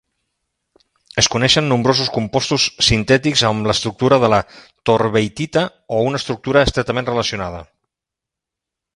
Es coneixen nombrosos compostos sintètics amb l'estructura de la thortveitita o una estructura estretament relacionada.